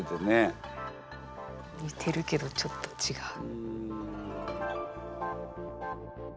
似てるけどちょっと違う。